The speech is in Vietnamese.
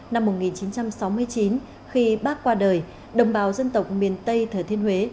năm một nghìn chín trăm sáu mươi chín khi bác qua đời đồng bào dân tộc miền tây thừa thiên huế